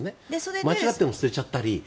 間違っても捨てちゃったり。